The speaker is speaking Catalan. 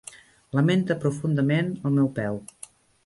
Lamenta profundament, el meu peu.